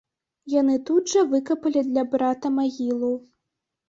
Яны тут жа выкапалі для брата магілу.